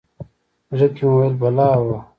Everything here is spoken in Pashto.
زړه کې مې ویل بلا وه.